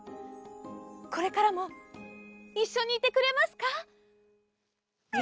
これからもいっしょにいてくれますか？